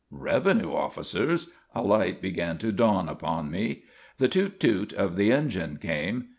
Revenue officers! A light began to dawn upon me. The toot, toot of the engine came.